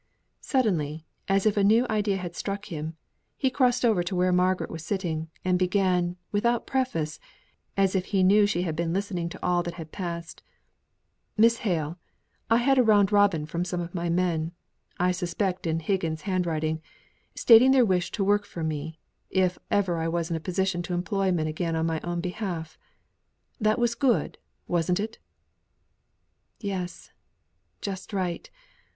Suddenly, as if a new idea had struck him, he crossed over to where Margaret was sitting, and began, without preface, as if he knew she had been listening to all that had passed: "Miss Hale, I had a round robin from some of my men I suspect in Higgins' handwriting stating their wish to work for me, if ever I was in a position to employ men again on my own behalf. That was good, wasn't it?" "Yes. Just right.